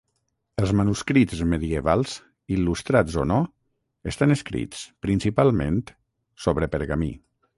Els manuscrits medievals, il·lustrats o no, estan escrits, principalment, sobre pergamí.